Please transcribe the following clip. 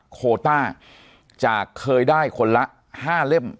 โคต้าจากเคยได้คนละ๕เล่ม